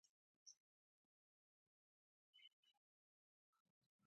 همدا زموږ ډاکتر صاحب ډاکتر بلال يادوم.